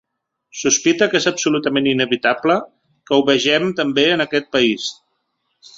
Sospite que és absolutament inevitable que ho vegem també en aquest país.